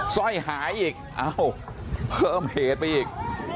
สร้อยหายอีกเอ้าเพิ่มเหตุไปอีก